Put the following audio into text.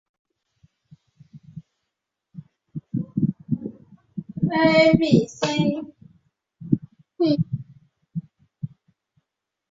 二氧化三碳可以通过加热干燥的五氧化二磷和丙二酸或丙二酸酯衍生物的混合物来制备。